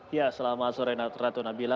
ya selama sore ratu ratu nabila